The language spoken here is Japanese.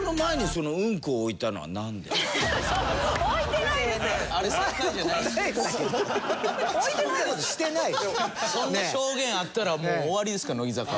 そんな証言あったらもう終わりですから乃木坂。